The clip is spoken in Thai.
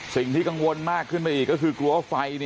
สิ่งที่กังวลมากขึ้นไปอีกก็คือกลัวว่าไฟ